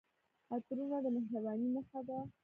عطرونه د مهربانۍ نښه ده.